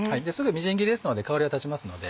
みじん切りですので香りが立ちますので。